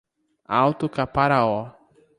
Alto Caparaó